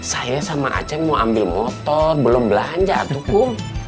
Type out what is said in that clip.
saya sama aceh mau ambil motor belum belanja atau ku